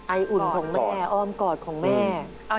อุ่นของแม่อ้อมกอดของแม่